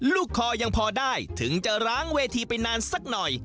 คอยังพอได้ถึงจะล้างเวทีไปนานสักหน่อย